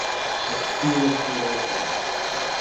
I feel it all over me!